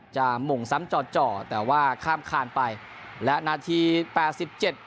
จะหม่งซ้ำจอดจอดแต่ว่าค่ามคลานไปและนัดที่แปดสิบเจ็ด